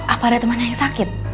apa ada temannya yang sakit